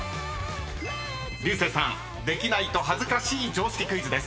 ［竜星さんできないと恥ずかしい常識クイズです］